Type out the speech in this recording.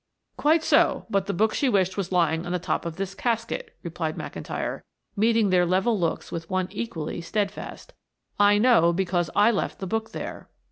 "Quite so, but the book she wished was lying on the top of this casket," replied McIntyre, meeting their level looks with one equally steadfast. "I know because I left the book there."